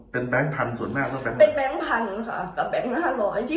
เป็นแบงค์๑๐๐๐ค่ะกับแบงค์๕๐๐ที่หายไป